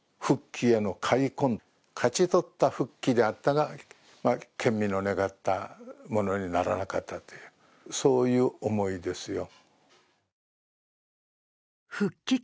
勝ち取った復帰であったが県民の願ったものにならなかったという、そういう思いですよ。